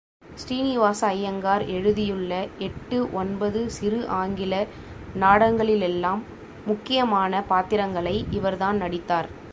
ஸ்ரீனிவாச ஐயங்கார் எழுதியுள்ள எட்டு ஒன்பது சிறு ஆங்கில நாடகங்களிலெல்லாம் முக்கியமான பாத்திரங்களை இவர்தான் நடித்தார்.